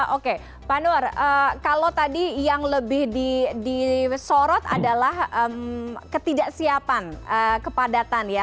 oke pak nur kalau tadi yang lebih disorot adalah ketidaksiapan kepadatan ya